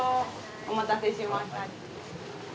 お待たせしました。